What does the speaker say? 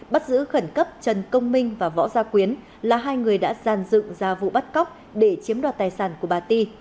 bắt giữ khẩn cấp trần công minh và võ gia quyến là hai người đã giàn dựng ra vụ bắt cóc để chiếm đoạt tài sản của bà ti